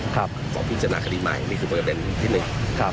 ขอพิจารณาคดีใหม่นี่คือประเด็นที่หนึ่ง